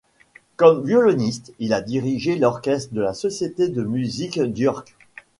Comme violiniste, il a dirigé l'orchestre de la Société de Musique d'York.